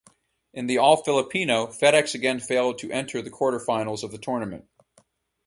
In the All-Filipino, FedEx again failed to enter the quarterfinals of the tournament.